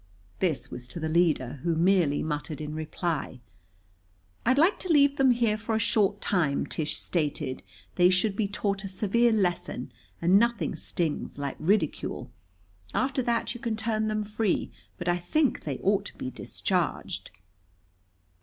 This was to the leader, who merely muttered in reply. "I'd like to leave them here for a short time," Tish stated. "They should be taught a severe lesson and nothing stings like ridicule. After that you can turn them free, but I think they ought to be discharged."